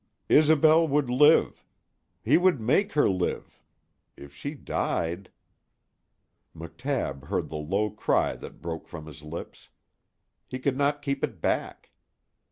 Isobel would live. He would make her live, If she died McTabb heard the low cry that broke from his lips. He could not keep it back.